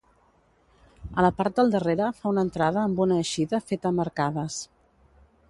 A la part del darrere fa una entrada amb una eixida feta amb arcades.